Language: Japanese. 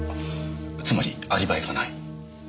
あっつまりアリバイがない。